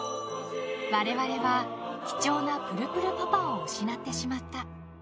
我々は貴重なプルプルパパを失ってしまった。